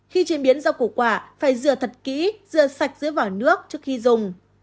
khi chế biến rau củ quả phải rửa thật kỹ rửa sạch dưới vỏ nước trước khi dùng